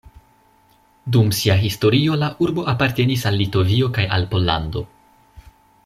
Dum sia historio la urbo apartenis al Litovio kaj al Pollando.